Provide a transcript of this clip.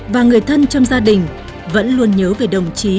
và người thân trong gia đình vẫn luôn nhớ về đồng chí